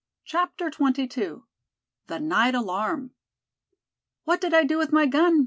CHAPTER XXII. THE NIGHT ALARM. "What did I do with my gun?"